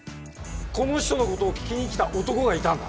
この人のことを聞きにきた男がいたんだ？